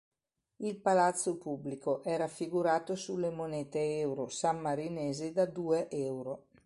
Il palazzo pubblico è raffigurato sulle monete euro sammarinesi da due euro.